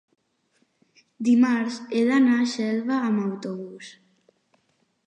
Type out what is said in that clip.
Dimarts he d'anar a Xelva amb autobús.